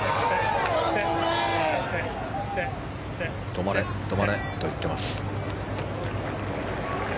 止まれ、止まれと言っています。